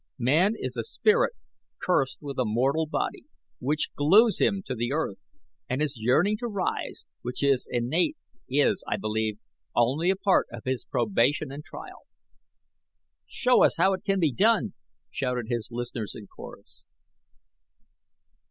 Man is a spirit cursed with a mortal body, which glues him to the earth, and his yearning to rise, which is innate, is, I believe, only a part of his probation and trial." "Show us how it can be done," shouted his listeners in chorus.